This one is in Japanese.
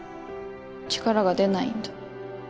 力が出ないんだ